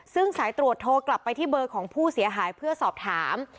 ซึ่งสายตรวจโทรกลับไปที่เบอร์ของผู้เสียหายเพื่อสอบถาม